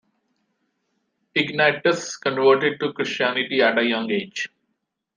Ignatius converted to Christianity at a young age.